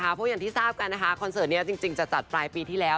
เพราะอย่างที่ทราบกันนะคะคอนเสิร์ตนี้จริงจะจัดปลายปีที่แล้ว